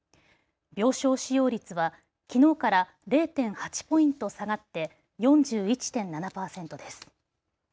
病床使用率はきのうから０．８ポイント下がって４１．７％です。